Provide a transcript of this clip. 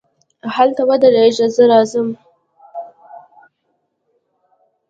هلته ودرېږه، زه راځم.